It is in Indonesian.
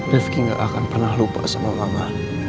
rifki gak akan pernah lupa sama mama